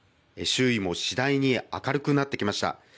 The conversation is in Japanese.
周囲も次第に明るくなってきました。